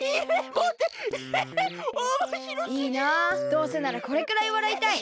どうせならこれくらいわらいたい。